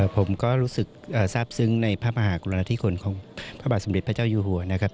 ผมก็รู้สึกทราบซึ้งในพระมหากรุณาธิคุณของพระบาทสมเด็จพระเจ้าอยู่หัวนะครับ